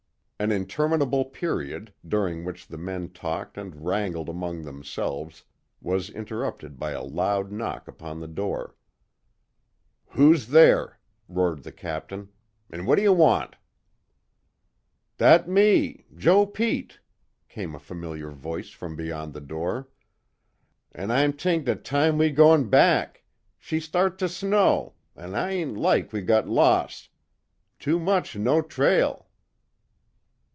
An interminable period, during which the men talked and wrangled among themselves, was interrupted by a loud knock upon the door. "Who's there?" roared the Captain, "An' what d'ye want?" "Dat me Joe Pete," came a familiar voice from beyond the door. "An' I'm t'ink dat tam we goin' back. She start to snow, an' I ain' lak we git los'. Too mooch no trail."